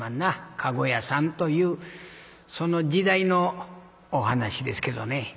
駕籠屋さんというその時代のお噺ですけどね。